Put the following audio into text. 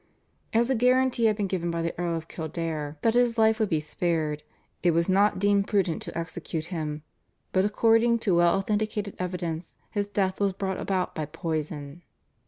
As a guarantee had been given by the Earl of Kildare that his life would be spared, it was not deemed prudent to execute him, but according to well authenticated evidence his death was brought about by poison.